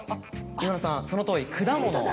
今田さんそのとおり「くだもの」。